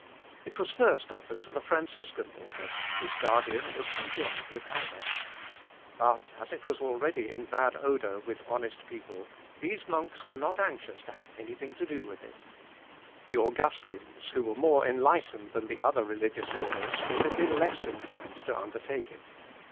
It was first offered to the Franciscan order, whose guardian was conjoined with Albert. But, as it was already in bad odour with honest people, these monks were not anxious to have anything to do with it. The Augustins, who were more enlightened than the other religious orders, would have been less inclined to undertake it.